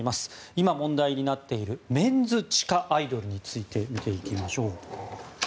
今、問題になっているメンズ地下アイドルについて見ていきましょう。